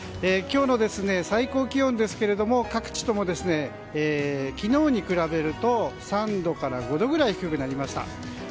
今日の最高気温ですが各地とも昨日に比べると３度から５度くらい低くなりました。